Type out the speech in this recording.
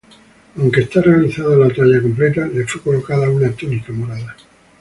Aunque está realizada la talla completa le fue colocada una túnica morada.